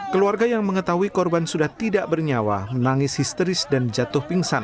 keluarga yang mengetahui korban sudah tidak bernyawa menangis histeris dan jatuh pingsan